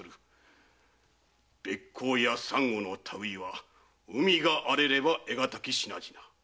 鼈甲や珊瑚の類いは海が荒れれば得難き品々。